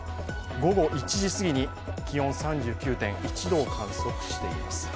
午後１時すぎに気温３９．１度を観測しています。